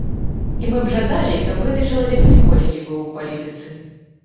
І мы б жадалі, каб гэты чалавек ніколі не быў у палітыцы.